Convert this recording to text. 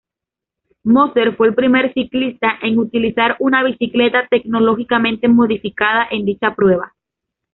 Moser fue el primer ciclista en utilizar una bicicleta tecnológicamente modificada en dicha prueba.